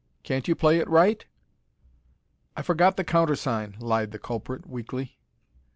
Can't you play it right?" "I forgot the countersign," lied the culprit, weakly.